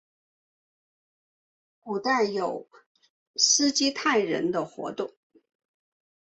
古代有斯基泰人活动。